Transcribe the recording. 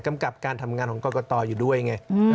กับการทำงานของกรกตอยู่ด้วยไง